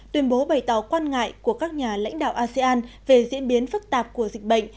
tuyên bố bày tỏ quan ngại của các nhà lãnh đạo asean về diễn biến phức tạp của dịch bệnh